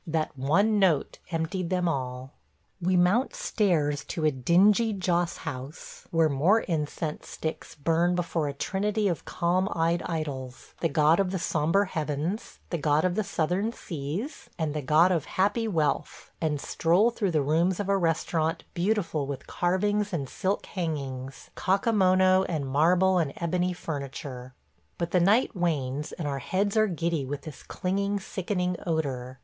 That one note emptied them all. ... We mount stairs to a dingy Joss house, where more incense sticks burn before a trinity of calm eyed idols – the God of the Sombre Heavens, the God of the Southern Seas, and the God of Happy Wealth – and stroll through the rooms of a restaurant beautiful with carvings and silk hangings, Kakamono and marble and ebony furniture. ... But the night wanes and our heads are giddy with this clinging, sickening odor.